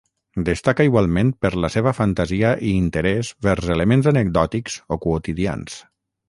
Destaca igualment per la seva fantasia i interès vers elements anecdòtics o quotidians.